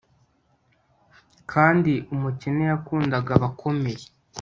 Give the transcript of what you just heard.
Kandi umukene yakundaga abakomeye